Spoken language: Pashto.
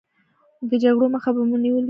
د جګړو مخه به مو نیولې وي.